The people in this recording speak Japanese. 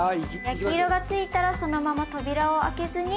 焼き色がついたらそのまま扉を開けずに。